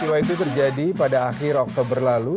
peristiwa itu terjadi pada akhir oktober lalu